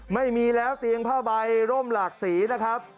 ไม่มีแล้วเตียงผ้าใบร่มหลากสีนะครับ